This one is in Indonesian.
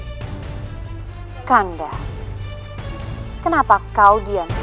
hai kandang kenapa kau diam saja